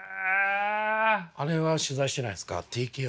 あれは取材してないですか？